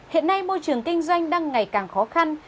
hiện nay môi trường kinh doanh đang ngày càng khó khăn